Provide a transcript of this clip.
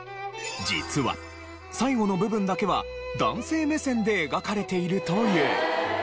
実は最後の部分だけは男性目線で描かれているという。